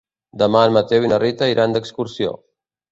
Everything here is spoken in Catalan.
Demà en Mateu i na Rita iran d'excursió.